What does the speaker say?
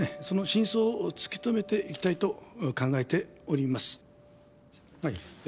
その真相を突き止めていきたいと考えております。